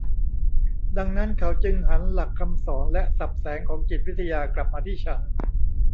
ดังนั้นเขาจึงหันหลักคำสอนและศัพท์แสงของจิตวิทยากลับมาที่ฉัน